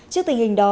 trước tình hình đó